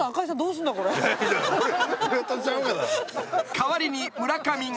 ［代わりに村上が］